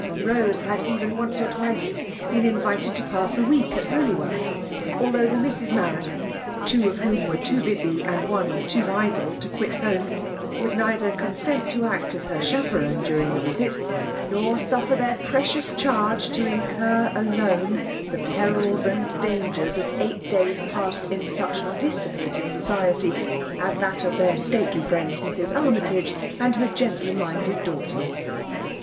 Bose had even onee or twice been invited to pass a week at Holywell; although the Misses Maranham, two of whom were too busy, and one too idle, to quit home, would neilher consent to act aa her chaperons during the visit, nor suffer their precious charge to incur alone the perils ai)d daogert of eight days passed in «ieh dissipated society as that of their stately friend Ibsw Araytage and her gentle iriinded daughter.